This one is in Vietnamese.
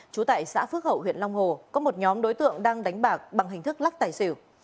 trú tại xã phước hậu huyện long hồ có một nhóm đối tượng đang đánh bạc bằng hình thức lắc tài xỉu